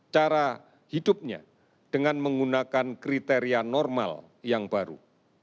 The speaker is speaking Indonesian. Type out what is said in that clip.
cara hidupnya dengan menggunakan kriteria normal yang baru